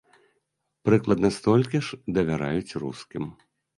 Прыкладна столькі ж давяраюць рускім.